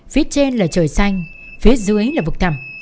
phía trên là trời xanh phía dưới là vực thẩm